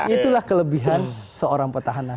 itulah kelebihan seorang petahana